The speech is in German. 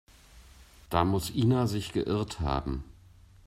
Da muss Ina sich geirrt haben.